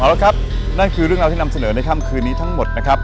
เอาละครับนั่นคือเรื่องราวที่นำเสนอในค่ำคืนนี้ทั้งหมดนะครับ